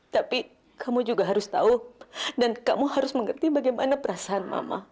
tapi kamu juga harus tahu dan kamu harus mengerti bagaimana perasaan mama